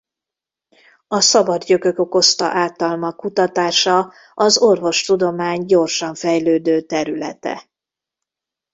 A szabad gyökök okozta ártalmak kutatása az orvostudomány gyorsan fejlődő területe.